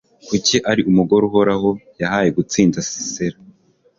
kuko ari umugore uhoraho yahaye gutsinda sisera